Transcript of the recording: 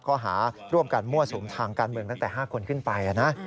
ข้อหาร่วมกันมั่วสุมทางการเมืองตั้งแต่๕คนขึ้นไปนะ